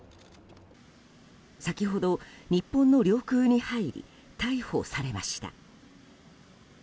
先ほど、日本の領空に入り逮捕されました。